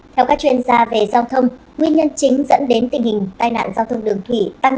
theo các chuyên gia về giao thông nguyên nhân chính dẫn đến tình hình tai nạn giao thông đường thủy tăng